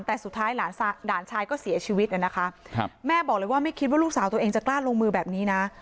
แต่สุดท้ายหลานชายก็เสียชีวิตนะคะแม่บอกเลยว่าไม่คิดว่าลูกสาวตัวเองจะกล้าลงมือแบบนี้นะ